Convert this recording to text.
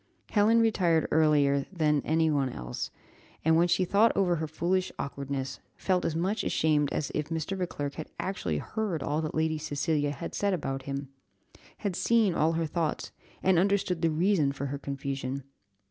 Helen retired earlier than any one else, and, when she thought over her foolish awkwardness, felt as much ashamed as if Mr. Beauclerc had actually heard all that Lady Cecilia had said about him had seen all her thoughts, and understood the reason of her confusion.